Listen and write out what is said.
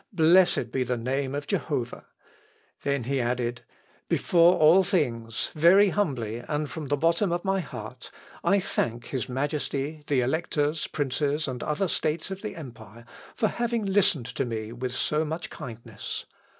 "Blessed be the name of Jehovah!" Then he added, "Before all things, very humbly and from the bottom of my heart, I thank his Majesty, the Electors, Princes, and other States of the empire, for having listened to me with so much kindness.